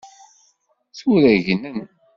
Tura gnen.